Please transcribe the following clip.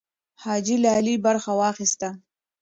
حاجي لالی برخه واخیسته.